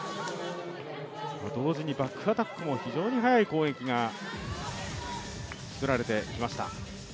同時にバックアタックも非常に速い攻撃が作られてきました。